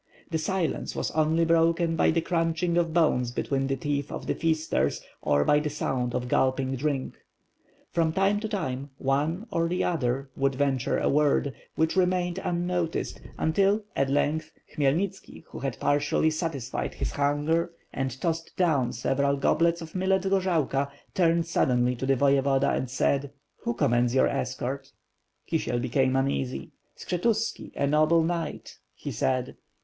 The silence was only broken by the crunching of bones between the teeth of the feasters or by the sound of gulping drink. From time to time, one or the other would venture a word, which remained unnoticed, until at length, Khmyelnitski, who had partially satisfied his 6o6 "^^TH FIRE AND HWORD. hunger and tossed down several goblets of millet gorzalka^ turned suddenly to the Voyevoda, and said: "Who commands your escort?" Kisiel became uneasy. Skshetuski, a noble knight," he said.